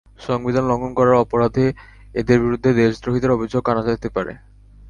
সংবিধান লঙ্ঘন করার অপরাধে এঁদের বিরুদ্ধে দেশদ্রোহিতার অভিযোগ আনা যেতে পারে।